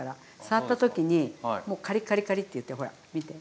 触った時にカリカリカリッていってほら見て。